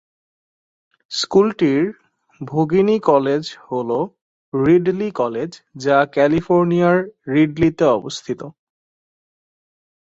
স্কুলটির ভগিনী কলেজ হল রিডলি কলেজ, যা ক্যালিফোর্নিয়ার রিডলিতে অবস্থিত।